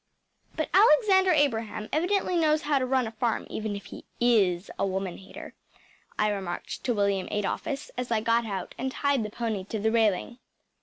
“But Alexander Abraham evidently knows how to run a farm, even it he is a woman hater,‚ÄĚ I remarked to William Adolphus as I got out and tied the pony to the railing.